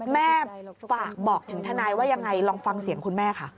แม่ฝากบอกถึงทนายว่ายังไงลองฟังเสียงคุณแม่ค่ะ